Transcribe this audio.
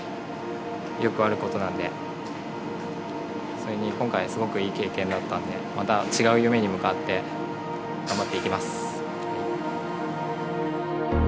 それに今回すごくいい経験だったんでまた違う夢に向かって頑張っていきます。